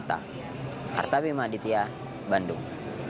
mata artabim aditya bandung